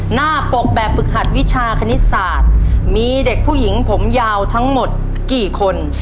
หน้าปกแบบฝึกหัดวิชาคณิตศาสตร์มีเด็กผู้หญิงผมยาวทั้งหมดกี่คน